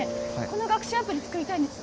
この学習アプリ作りたいんです